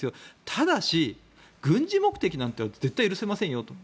ただし軍事目的なんて絶対許せませんよと。